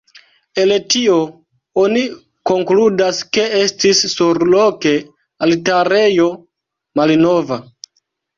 El tio oni konkludas ke estis surloke altarejo malnova.